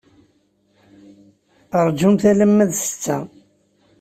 Rjumt alamma d ssetta.